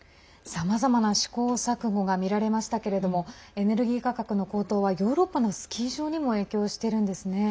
さまざまな試行錯誤がみられましたけれどもエネルギー価格の高騰はヨーロッパのスキー場にも影響してるんですね。